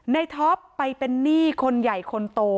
ท็อปไปเป็นหนี้คนใหญ่คนโต